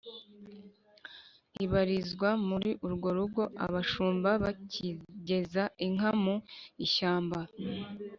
ibarizwa muri urwo rugo. abashumba bakigeza inka mu ishyamba,